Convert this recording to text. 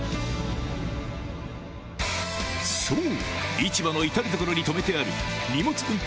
そう！